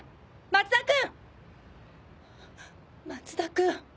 ・松田君！